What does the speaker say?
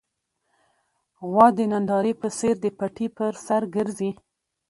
غوا د نندارې په څېر د پټي پر سر ګرځي.